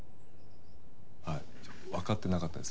はいわかってなかったです。